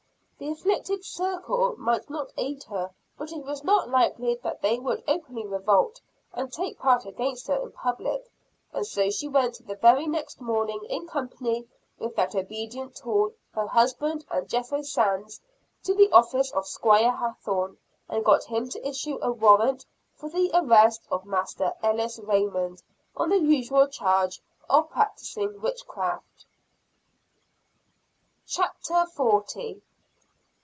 The "afflicted circle" might not aid her, but it was not likely that they would openly revolt, and take part against her in public; and so she went the very next morning in company with that obedient tool, her husband and Jethro Sands, to the office of Squire Hathorne, and got him to issue a warrant for the arrest of Master Ellis Raymond, on the usual charge of practicing witchcraft. CHAPTER XL. An Interview with Lady Mary.